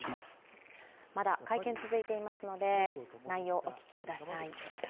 まだ会見続いていますので内容、お聞きください。